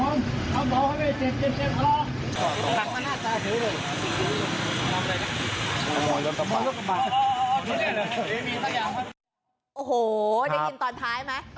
อันดับสุดท้ายก็คืออันดับสุดท้าย